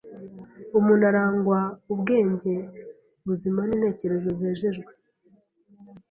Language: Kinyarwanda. umuntu arangwa ubwenge buzima n’intekerezo zejejwe